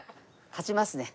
勝ちますね。